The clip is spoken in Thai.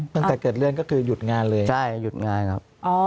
ตั้งแต่เกิดเรื่องก็คือหยุดงานเลยใช่หยุดงานครับ